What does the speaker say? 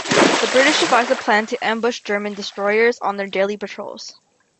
The British devised a plan to ambush German destroyers on their daily patrols.